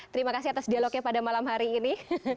terima kasih atas dialognya pada malam hari ini